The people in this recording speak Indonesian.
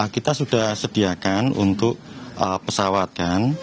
kita sudah sediakan untuk pesawat kan